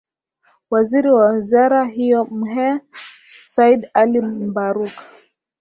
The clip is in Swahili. Waziri wa Wizara hiyo Mhe Said Ali Mbarouk